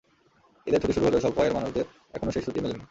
ঈদের ছুটি শুরু হলেও স্বল্প আয়ের মানুষদের এখনো সেই ছুটি মেলেনি।